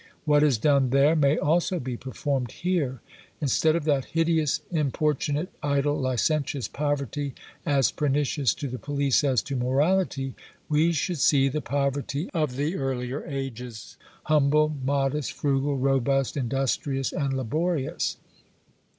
What is done there may also be performed here. Instead of that hideous, importunate, idle, licentious poverty, as pernicious to the police as to morality, we should see the poverty of the earlier ages, humble, modest, frugal, robust, industrious, and laborious.